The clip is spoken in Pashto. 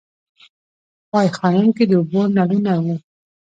په ای خانم کې د اوبو نلونه وو